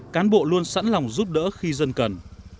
cán bộ luôn sẵn lòng giúp đỡ khi dân cần